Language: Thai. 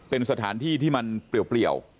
เป็นสถานที่ที่มันเปลี่ยว